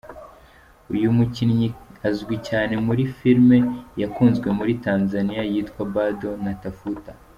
Uyu mukinnyi azwi cyane muri filime yakunzwe muri Tanzania yitwa ‘Bado Natafuta’.